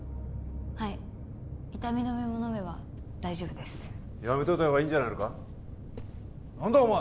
はい痛み止めも飲めば大丈夫ですやめといたほうがいいんじゃないのか何だお前